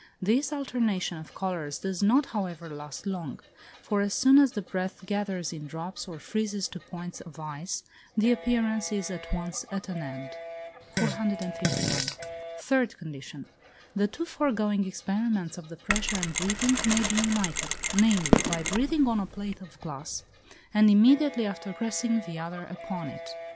This alternation of colours does not, however, last long; for as soon as the breath gathers in drops, or freezes to points of ice, the appearance is at once at an end. 459. Third condition. The two foregoing experiments of the pressure and breathing may be united; namely, by breathing on a plate of glass, and immediately after pressing the other upon it.